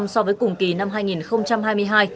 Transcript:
so với cùng kỳ năm hai nghìn hai mươi hai